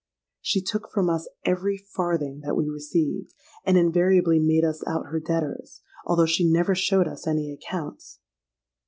She took from us every farthing that we received, and invariably made us out her debtors, although she never showed us any accounts.